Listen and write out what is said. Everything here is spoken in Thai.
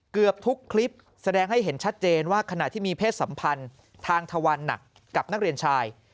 เกือบทุกคลิปแสดงให้เห็นชัดเจนว่าขณะที่มีเพศสัมพันธ์ทางทวันหนักกับนักเรียนชาย